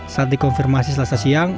saat dikonfirmasi selasa siang